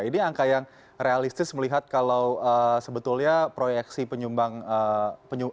ini angka yang realistis melihat kalau sebetulnya proyeksi penyumbang penyumbang